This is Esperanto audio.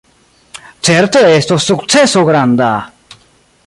Certe estos sukceso granda!